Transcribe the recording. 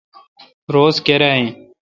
روز کیرا این۔